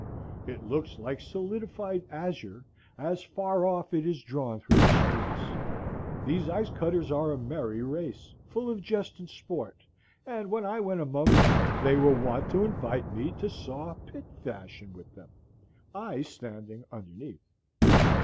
It looks like solidified azure, as, far off, it is drawn through the streets. These ice cutters are a merry race, full of jest and sport, and when I went among them they were wont to invite me to saw pit fashion with them, I standing underneath.